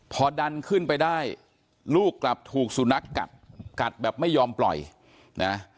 พอดันขึ้นไปได้ลูกกลับถูกสุนัขกัดกัดแบบไม่ยอมปล่อยนะ